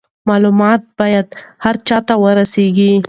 معلومات باید هر چا ته ورسیږي.